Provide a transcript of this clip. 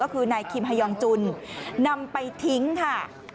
ก็คือนายคิมฮายองจุนนำไปทิ้งค่ะ